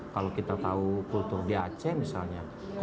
kalau kita tahu kultur di aceh misalnya